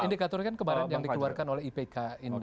indikatornya kan kemarin yang dikeluarkan oleh ipk ini